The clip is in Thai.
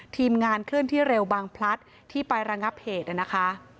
ทีมงานเคลื่อนที่เร็วบางพลัดที่ไประงับเหตุนะคะ